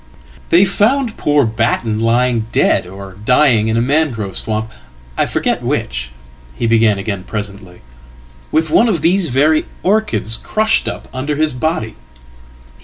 ""They found poor Batten lying dead, or dying, in a mangrove swamp Iforget which," he began again presently, "with one of these very orchidscrushed up under his body.